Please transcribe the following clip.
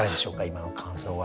今の感想は。